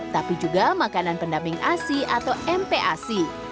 tapi juga makanan pendamping asi atau mpac